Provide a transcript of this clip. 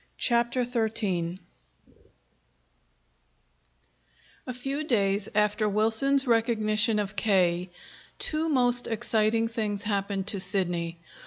CHAPTER XIII A few days after Wilson's recognition of K., two most exciting things happened to Sidney.